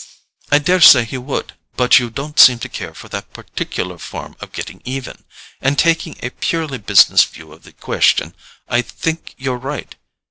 I daresay he would; but you don't seem to care for that particular form of getting even, and, taking a purely business view of the question, I think you're right.